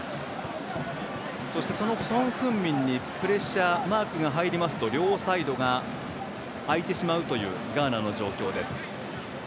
そして、そのソン・フンミンにプレッシャーマークが入りますと両サイドが空いてしまうというガーナの状況です。